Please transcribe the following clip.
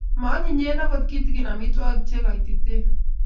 Maanyinyen agot kitigen amitwogik che kaititen